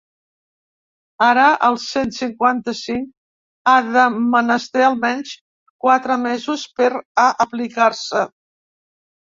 Ara, el cent cinquanta-cinc ha de menester almenys quatre mesos per a aplicar-se.